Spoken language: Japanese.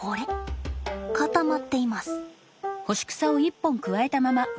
固まっています。